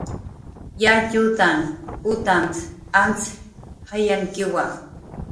"Yatxutanh utanht"" antz jayankiwa"